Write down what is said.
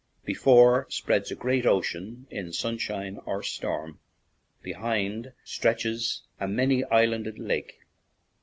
Before spreads a great ocean in sunshine or storm ; behind stretches a many islanded lake.